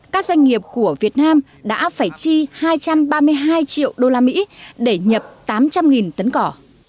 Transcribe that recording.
các doanh nghiệp của việt nam đã phải chi hai trăm ba mươi hai triệu đô la mỹ để nhập tám trăm linh tấn cỏ